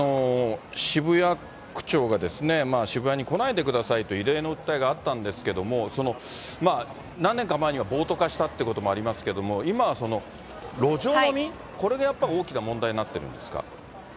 渋谷区長が、渋谷に来ないでくださいと異例の訴えがあったんですけども、何年か前には暴徒化したってこともありますけども、今は路上飲み、これがやっぱり大きな問題になってるんですか。